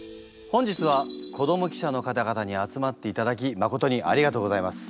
本日は子ども記者の方々に集まっていただき誠にありがとうございます。